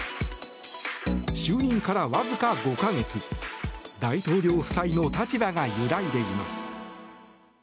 就任からわずか５か月大統領夫妻の立場が揺らいでいます。